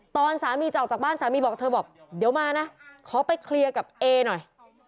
ตอนสามีจะออกจากบ้านสามีบอกเธอบอกเดี๋ยวมานะขอไปเคลียร์กับเอหน่อย